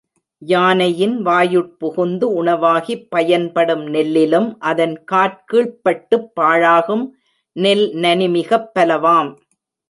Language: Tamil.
யானையின் வாயுட் புகுந்து உணவாகிப் பயன்படும் நெல்லிலும் அதன் காற்கீழ்ப் பட்டுப் பாழாகும் நெல் நனிமிகப் பலவாம்.